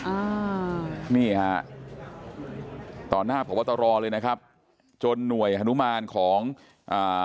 อ่านี่ฮะต่อหน้าพบตรเลยนะครับจนหน่วยฮานุมานของอ่า